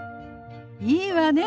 いいわね。